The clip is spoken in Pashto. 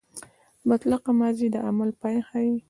مطلقه ماضي د عمل پای ښيي.